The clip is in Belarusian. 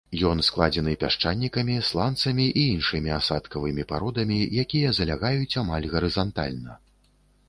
Ён складзены пясчанікамі, сланцамі і іншымі асадкавымі пародамі, якія залягаюць амаль гарызантальна.